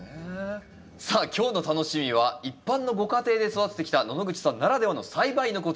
さあ今日の楽しみは一般のご家庭で育ててきた野々口さんならではの栽培のコツ。